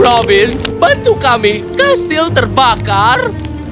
robin bantu kami kastil terbakar